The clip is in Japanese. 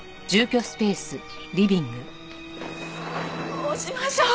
どうしましょう！